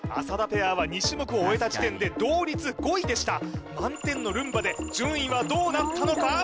浅田ペアは２種目を終えた時点で同率５位でした満点のルンバで順位はどうなったのか？